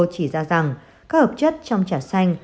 chỉ ra rằng các hợp chất trong chả xanh